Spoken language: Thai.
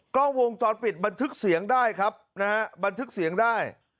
กล้องวงจรปิดบันทึกเสียงได้ครับนะฮะบันทึกเสียงได้